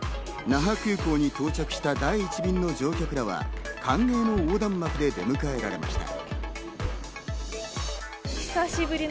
那覇空港に到着した第１便の乗客らは、歓迎の横断幕で迎えられました。